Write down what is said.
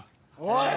おい！